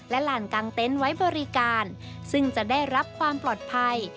และลานกลางเต็นต์ไว้บริการซึ่งจะได้รับความปลอดภัย